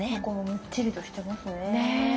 むっちりとしてますね。